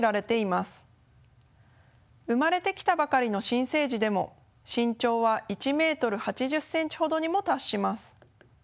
生まれてきたばかりの新生仔でも身長は１ｍ８０ｃｍほどにも達します。